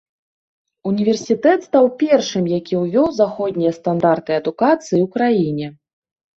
Універсітэт стаў першым, які ўвёў заходнія стандарты адукацыі ў краіне.